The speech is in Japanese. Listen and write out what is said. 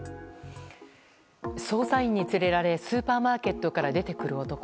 捜査員に連れられスーパーマーケットから出てくる男。